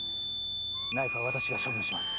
ナイフは私が処分します。